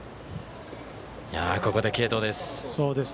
ここで継投です。